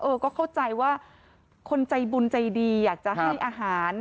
ก็เข้าใจว่าคนใจบุญใจดีอยากจะให้อาหาร